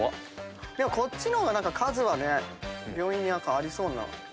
でもこっちの方が数はね病院にありそうな。